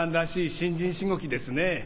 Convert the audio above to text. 新人しごきですね。